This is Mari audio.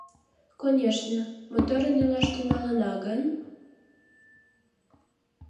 Конешне, моторын илаш тӱҥалына гын...